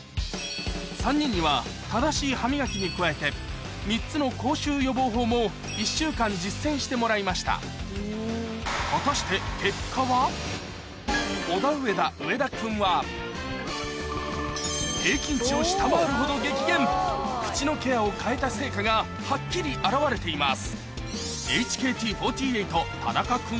３人には正しい歯磨きに加えて３つの口臭予防法も果たして平均値を下回るほど激減口のケアを変えた成果がはっきり表れています